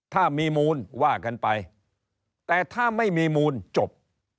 ถ้ามีมูลว่ากันไปแต่ถ้าไม่มีมูลจบ